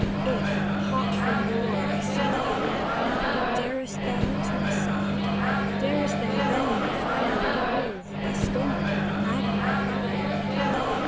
If, hot from war, I seek thy love, Darest thou turn aside? Darest thou then my fire reprove, By scorn, and maddening pride?